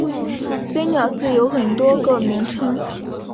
飞鸟寺有很多个名称。